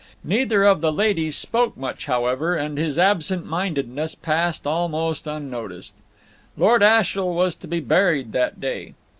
Neither of the ladies spoke much, however, and his absent mindedness passed almost unnoticed. Lord Ashiel was to be buried that day.